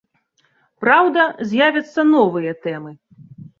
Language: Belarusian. Праўда, з'явяцца новыя тэмы.